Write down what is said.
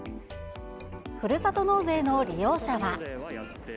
ふるさと納税の利用者は。